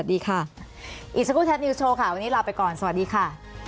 สวัสดีค่ะอีกสักครู่แทนิวสโชว์ค่ะวันนี้ลาไปก่อนสวัสดีค่ะ